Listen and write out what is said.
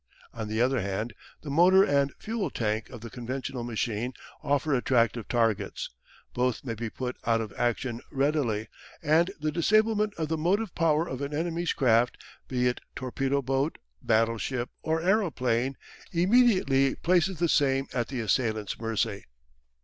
On the other hand, the motor and fuel tank of the conventional machine offer attractive targets: both may be put out of action readily, and the disablement of the motive power of an enemy's craft, be it torpedo boat, battleship, or aeroplane, immediately places the same at the assailant's mercy.